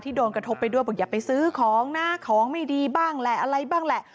โดนกระทบไปด้วยบอกอย่าไปซื้อของนะของไม่ดีบ้างแหละอะไรบ้างแหละ